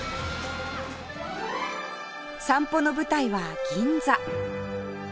散歩の舞台は銀座